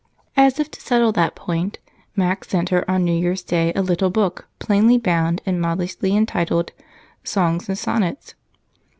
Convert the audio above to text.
As if to settle that point, Mac sent her on New Year's Day a little book plainly bound and modestly entitled Songs and Sonnets.